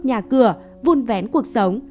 nhà cửa vun vén cuộc sống